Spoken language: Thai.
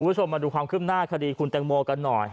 คุณผู้ชมมาดูความคืบหน้าคดีคุณแตงโมกันหน่อย